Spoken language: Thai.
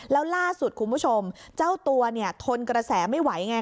แล้วล่าสุดคุณผู้ชมเจ้าตัวเนี่ยทนกระแสไม่ไหวไง